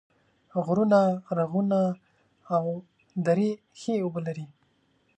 غرونه، رغونه او درې ښې اوبه لري